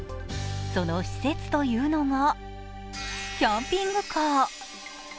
その施設というのがキャンピングカー。